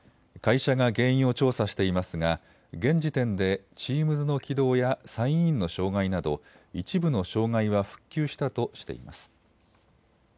会社が原因を調査していますが現時点でチームズの起動やサインインの障害など一部の障害は復旧したとしています。